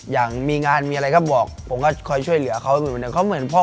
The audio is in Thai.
อย่างว่ามีงานมันบอกรู้อะไรก็บอก